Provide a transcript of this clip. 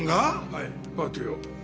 はいパーティーを。